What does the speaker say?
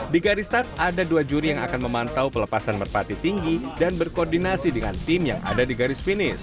di garis start ada dua juri yang akan memantau pelepasan merpati tinggi dan berkoordinasi dengan tim yang ada di garis finish